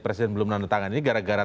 presiden belum menandatangan ini gara gara